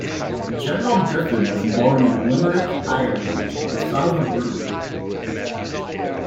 Gerald Griffin was born in Limerick, Ireland, the son of a brewer.